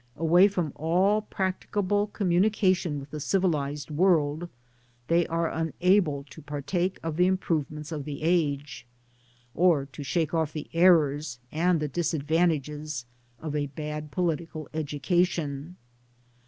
Away from all practicable communication with the civilised world, they are unable to partake of the improvements of the age^ or to shake off the errors and the disadvantages of a bad political Digitized byGoogk 12 DBSCRIPTIVB OUttlNB education.